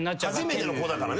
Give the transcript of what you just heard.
初めての子だからね。